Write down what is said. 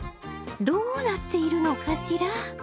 どうなっているのかしら！